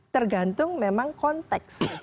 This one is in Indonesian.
tergantung memang konteks